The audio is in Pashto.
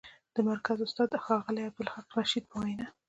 د مرکز استاد، ښاغلي عبدالخالق رشید په وینا: